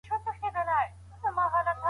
دا اړیکه د اړتیا پر بنسټ ولاړه ده.